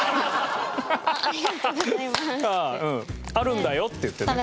あるんだよって言ってね。